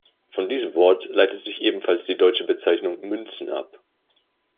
Von diesem Wort leitet sich ebenfalls die deutsche Bezeichnung „Münzen“ ab.